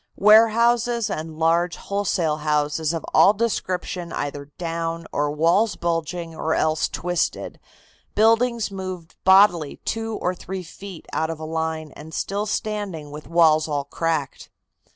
Warehouses and large wholesale houses of all descriptions either down, or walls bulging, or else twisted, buildings moved bodily two or three feet out of a line and still standing with walls all cracked.